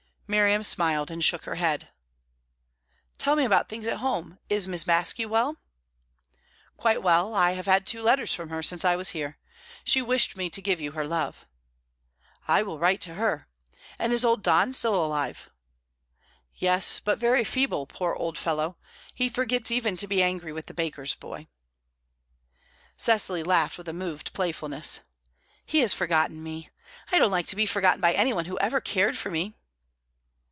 Miriam smiled and shook her head. "Tell me about things at home. Is Miss Baske well?" "Quite well. I have had two letters from her since I was here. She wished me to give you her love." "I will write to her. And is old Don still alive?" "Yes, but very feeble, poor old fellow. He forgets even to be angry with the baker's boy." Cecily laughed with a moved playfulness. "He has forgotten me. I don't like to be forgotten by any one who ever cared for me."